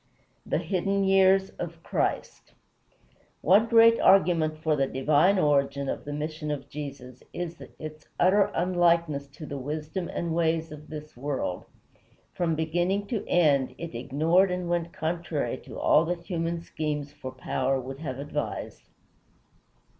VII THE HIDDEN YEARS OF CHRIST One great argument for the divine origin of the mission of Jesus is its utter unlikeness to the wisdom and ways of this world. From beginning to end, it ignored and went contrary to all that human schemes for power would have advised.